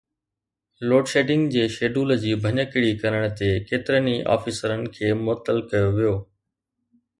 load shedding جي schedule جي ڀڃڪڙي ڪرڻ تي ڪيترن ئي آفيسرن کي معطل ڪيو ويو